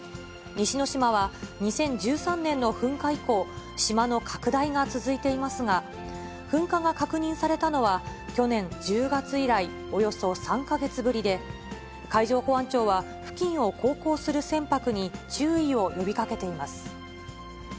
西之島は、２０１３年の噴火以降、島の拡大が続いていますが、噴火が確認されたのは去年１０月以来、およそ３か月ぶりで、海上保安庁は付近を航行する船舶に注意を呼びかけています。